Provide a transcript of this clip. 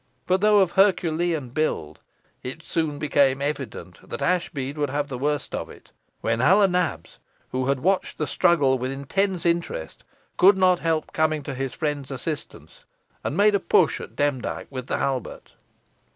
But though of Herculean build, it soon became evident that Ashbead would have the worst of it; when Hal o' Nabs, who had watched the struggle with intense interest, could not help coming to his friend's assistance, and made a push at Demdike with the halbert.